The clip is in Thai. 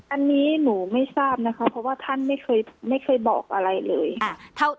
อันนี้หนูไม่ทราบนะคะเพราะว่าท่านไม่เคยบอกอะไรเลย